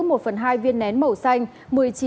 một phần hai viên nén màu xanh